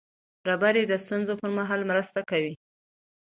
ډبرې د ستونزو پر مهال مرسته کوي.